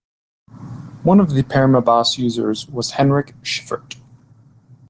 One of the Permobas users was Henrik Schyffert.